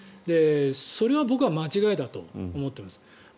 それは僕は間違いだと思っています。